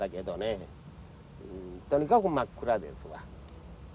とにかく真っ暗ですわ。